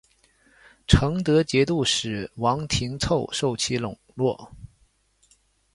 成德节度使王廷凑受其笼络。